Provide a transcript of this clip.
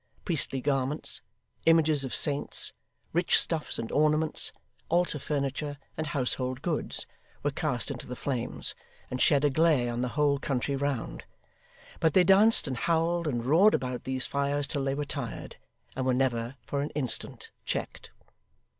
Priestly garments, images of saints, rich stuffs and ornaments, altar furniture and household goods, were cast into the flames, and shed a glare on the whole country round; but they danced and howled, and roared about these fires till they were tired, and were never for an instant checked.